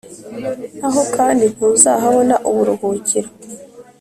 naho kandi ntuzahabona uburuhukiro.”